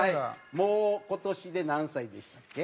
もう今年で何歳でしたっけ？